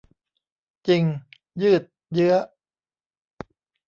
จริง ยืดเยื้อ